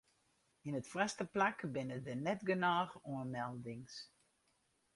Yn it foarste plak binne der net genôch oanmeldings.